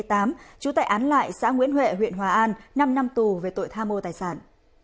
trú tại án loại xã nguyễn huệ huyện hòa an năm năm tù về tội tha mô tài sản